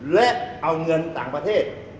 และเอาเงินต่างประเทศ